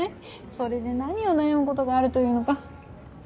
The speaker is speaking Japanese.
それで何を悩むことがあるというのか。